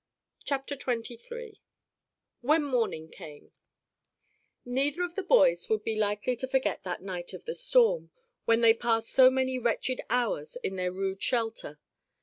CHAPTER XXIII WHEN MORNING CAME Neither of the boys would be likely to forget that night of the storm, when they passed so many wretched hours in their rude shelter.